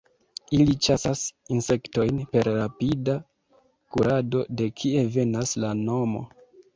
Ili ĉasas insektojn per rapida kurado de kie venas la nomo.